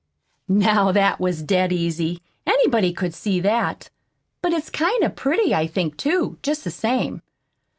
"Now that was dead easy anybody could see that. But it's kind of pretty, I think, too, jest the same.